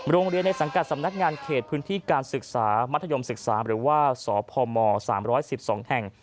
โรงเรียนในสังกัดสำนักงานเขตพื้นที่การศึกษามัธยมศึกษาหรือว่าสพม๓๑๒แห่ง